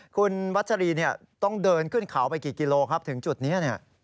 คุณวัชรีต้องเดินขึ้นเขาไปกี่กิโลครับถึงจุดนี้